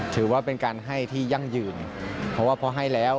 ถือว่าเป็นการให้ที่ยั่งยืนเพราะว่าพอให้แล้ว